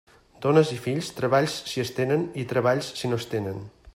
Dones i fills, treballs si es tenen i treballs si no es tenen.